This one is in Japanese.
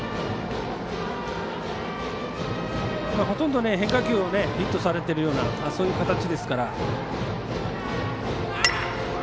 ほとんど変化球をヒットされてるようなそういう形ですから。